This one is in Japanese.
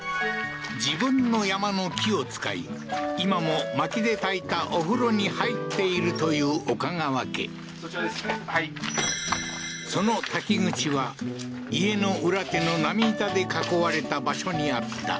自分の山の木を使い今も薪で焚いたお風呂に入っているという岡川家その焚き口は家の裏手の波板で囲われた場所にあった